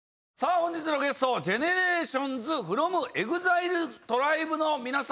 本日のゲストＧＥＮＥＲＡＴＩＯＮＳｆｒｏｍＥＸＩＬＥＴＲＩＢＥ！